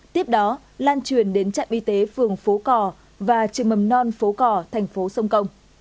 tiếp đó lan truyền đến trạm y tế phường phố cò và trường mầm non phố cỏ thành phố sông công